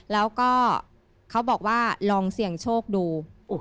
แล้วก็เขาบอกว่าลองเสี่ยงโชคดู